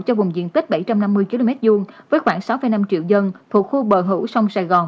cho vùng diện tích bảy trăm năm mươi km hai với khoảng sáu năm triệu dân thuộc khu bờ hữu sông sài gòn